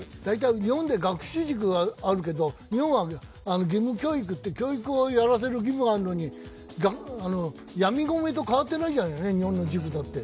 日本で学習塾はあるけど、日本は義務教育って教育をやらせる義務があるのにヤミ米と変わってないじゃないかね、日本の塾だって。